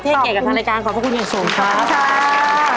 เทศเก่งกับทางรายการของพ่อคุณเย็นสงครับ